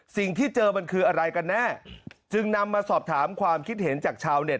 สิ่งที่เจอมันคืออะไรกันแน่จึงนำมาสอบถามความคิดเห็นจากชาวเต็